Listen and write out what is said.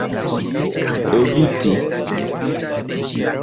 eviti